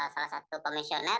salah satu komisioner